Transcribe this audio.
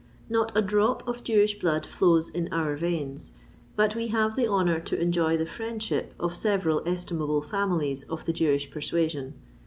Not a drop of Jewish blood flows in our veins; but we have the honour to enjoy the friendship of several estimable families of the Jewish persuasion.